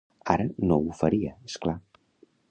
Ara no ho faria, és clar.